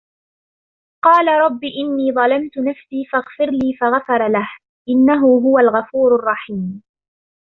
قَالَ رَبِّ إِنِّي ظَلَمْتُ نَفْسِي فَاغْفِرْ لِي فَغَفَرَ لَهُ إِنَّهُ هُوَ الْغَفُورُ الرَّحِيمُ